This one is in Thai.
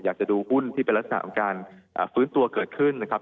อยากจะดูหุ้นที่เป็นลักษณะของการฟื้นตัวเกิดขึ้นนะครับ